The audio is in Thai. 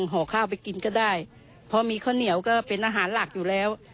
ห่อข้าวไปกินก็ได้เพราะมีข้าวเหนียวก็เป็นอาหารหลักอยู่แล้ว